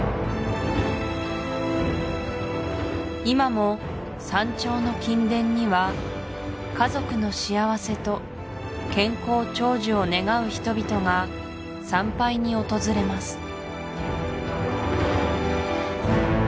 今も山頂の金殿には家族の幸せと健康長寿を願う人々が参拝に訪れます